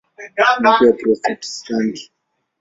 Kuna pia Waprotestanti.